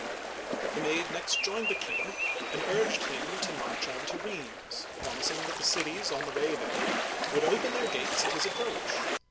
The Maid next joined the king and urged him to march on to Rheims, promising that the cities on the way thither would open their gates at his approach.